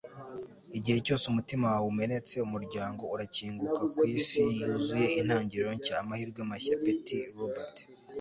igihe cyose umutima wawe umenetse, umuryango urakinguka ku isi yuzuye intangiriro nshya, amahirwe mashya. - patti roberts